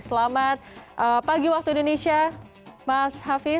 selamat pagi waktu indonesia mas hafiz